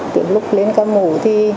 từ lúc lên ca mổ thì